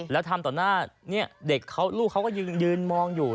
แล้วทำต่อหน้าลูกเค้าก็ยืนมองอยู่